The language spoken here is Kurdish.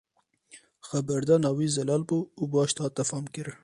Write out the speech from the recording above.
Xeberdana wî zelal bû û baş dihate famkirin.